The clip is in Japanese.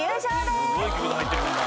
すごい曲で入ってくるな。